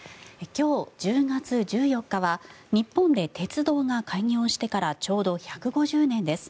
今日、１０月１４日は日本で鉄道が開業してからちょうど１５０年です。